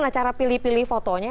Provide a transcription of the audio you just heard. nah cara pilih pilih fotonya